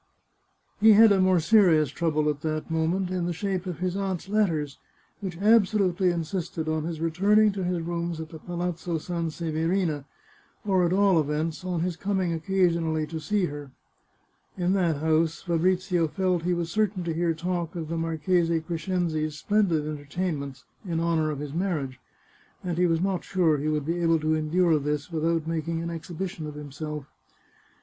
He had a more serious trouble at that moment, in the shape of his aunt's letters, which absolutely insisted on his returning to his rooms at the Palazzo Sanseverina, or, at all events, on his coming occasionally to see her. In that house Fabrizio felt he was certain to hear talk of the Mar chese Crescenzi's splendid entertainments in honour of his marriage, and he was not sure he would be able to endure this without making an exhibition of himself.